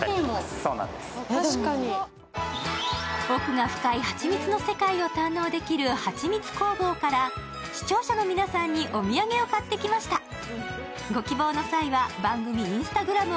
奥が深いはちみつの世界を堪能できるはちみつ工房から、視聴者の皆さんにお土産を買ってきました。